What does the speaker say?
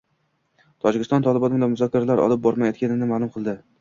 Tojikiston “Tolibon” bilan muzokaralar olib bormayotganini ma’lum qildi